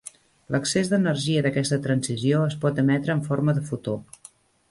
L'excés d'energia d'aquesta transició es pot emetre en forma de fotó.